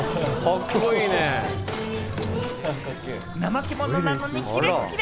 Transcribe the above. ナマケモノなのにキレッキレ。